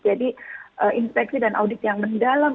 jadi inspeksi dan audit yang mendalam